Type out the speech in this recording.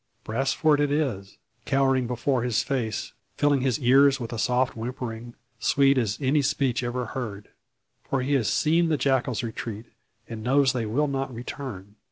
Brasfort it is, cowering before his face, filling his ears with a soft whimpering, sweet as any speech ever heard. For he has seen the jackals retreat, and knows they will not return.